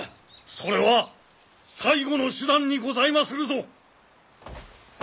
・それは最後の手段にございまするぞ。